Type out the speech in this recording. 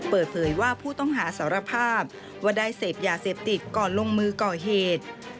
เปิดเผยว่าผู้ต้องหาสารภาพว่าได้เสพยาเสพติดก่อนลงมือก่อเหตุ